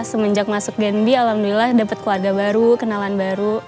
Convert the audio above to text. semenjak masuk genbi alhamdulillah dapet keluarga baru kenalan baru